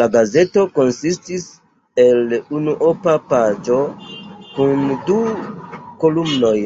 La gazeto konsistis el unuopa paĝo kun du kolumnoj.